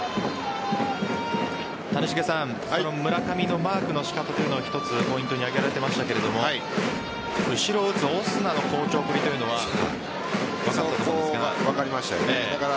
谷繁さん村上のマークの仕方というのは一つポイントに挙げられていましたが後ろを打つオスナの好調ぶりというのは分かりましたよね。